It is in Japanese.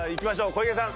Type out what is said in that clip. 小池さん。